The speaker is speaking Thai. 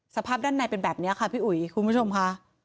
สภาพด้านในเป็นแบบนี้ค่ะพี่อุ๋ยคุณผู้ชมค่ะ